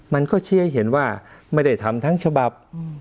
มันก็เชื่อเห็นว่าไม่ได้ทำทั้งฉบับอืม